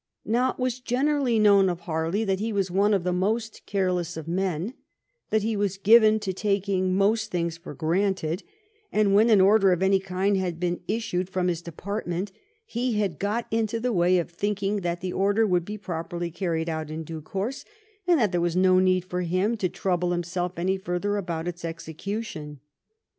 Now it was generally known of Harley that he was one of the most careless of men ; that he was given to taking most things for granted, and when an order of any kind had been issued by his department he had got into the way of thinking that the order would be properly carried out in due course, and that there was no need for him to trouble himself any further about its execution.